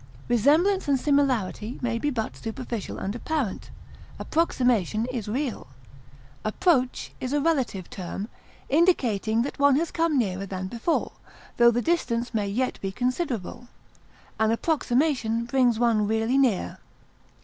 Resemblance and similarity may be but superficial and apparent; approximation is real. Approach is a relative term, indicating that one has come nearer than before, tho the distance may yet be considerable; an approximation brings one really near.